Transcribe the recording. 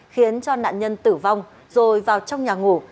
khiến cho nạn nhân tử vong rồi vào trong nhà ngủ